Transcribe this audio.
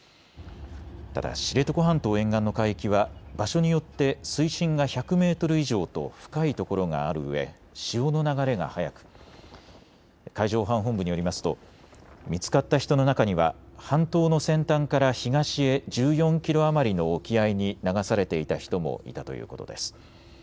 ただ知床半島沿岸の海域は場所によって水深が１００メートル以上と深いところがあるうえ潮の流れが速く海上保安本部によりますと見つかった人の中には半島の先端から東へ１４キロ余りの沖合に流されていた人もいたということです。